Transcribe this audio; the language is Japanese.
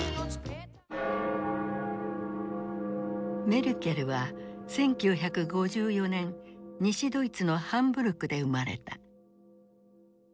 メルケルは１９５４年西ドイツのハンブルクで生まれた。